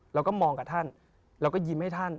เราก็มองกับท่านเราก็ยิ้มให้ท่าน